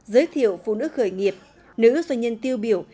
giới thiệu phụ nữ khởi nghiệp nữ doanh nhân tiêu biểu